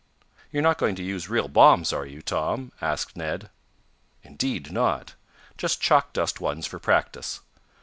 "You're not going to use real bombs, are you, Tom?" asked Ned. "Indeed not. Just chalk dust ones for practice.